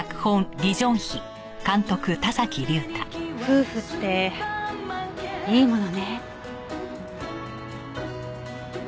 夫婦っていいものね。